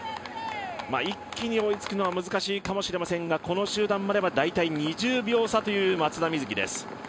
一気に追いつくのは難しいかもしれませんがこの集団までは大体２０秒差という松田瑞生です。